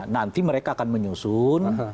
nanti mereka akan menyusun